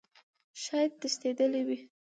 شايد تښتيدلى وي .